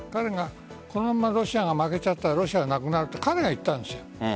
このままロシアが負けたらロシアがなくなると彼が言ったんです。